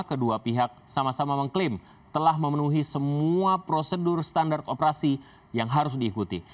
kedua pihak sama sama mengklaim telah memenuhi semua prosedur standar operasi yang harus diikuti